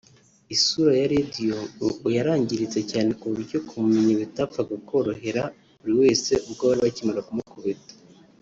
Isura ya Radio ngo yarangiritse cyane ku buryo kumumenya bitapfaga koroherera buri wese ubwo bari bakimara kumukubita